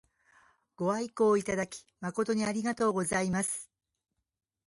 ご愛顧いただき誠にありがとうございます。